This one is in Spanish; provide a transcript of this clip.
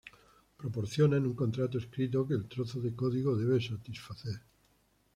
Proporcionan un contrato escrito que el trozo de código debe satisfacer.